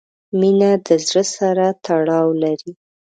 • مینه د زړۀ سره تړاو لري.